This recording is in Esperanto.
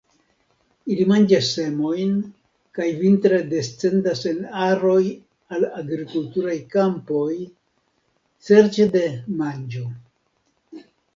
Ili manĝas semojn, kaj vintre descendas en aroj al agrikulturaj kampoj serĉe de manĝo.